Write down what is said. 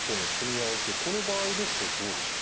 この場合ですとどうでしょう？